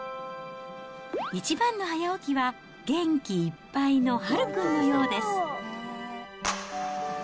一番の早起きは、元気いっぱいのハルくんのようです。